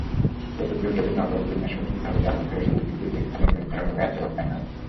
এই প্রতিযোগিতাটি নকআউট বিন্যাসে অনুষ্ঠিত হবে, যার মধ্যে রয়েছে দুটি তৃতীয় স্থান নির্ধারণী ম্যাচ এবং ফাইনাল।